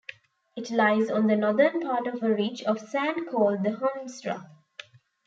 It lies on the northern part of a ridge of sand called the Hondsrug.